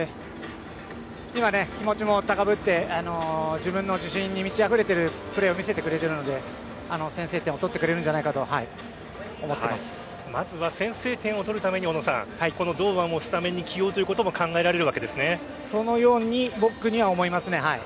今、気持ちも高ぶって自信に満ちあふれているプレーを見せてくれているので先制点を取ってくれるんじゃないかとまずは先制点を取るためにこの堂安をスタメンに起用ということもそのように僕は思います。